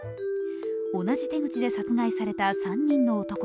同じ手口で殺害された３人の男。